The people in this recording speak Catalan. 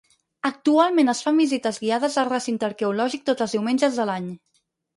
Actualment, es fan visites guiades al recinte arqueològic tots els diumenges de l'any.